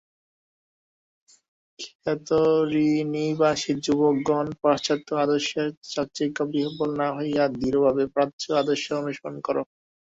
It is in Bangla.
খেতড়িনিবাসী যুবকগণ, পাশ্চাত্য-আদর্শের চাকচিক্যে বিহ্বল না হইয়া দৃঢ়ভাবে প্রাচ্য- আদর্শের অনুসরণ কর।